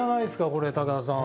これ高田さん。